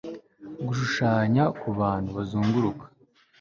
gushushanya kubantu bazunguruka